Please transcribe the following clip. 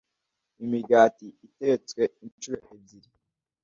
Imigati itetswe inshuro ebyiri